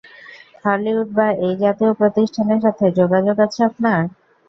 Hollywood বা এই জাতীয় প্রতিষ্ঠানের সাথে যোগাযোগ আছে আপনার!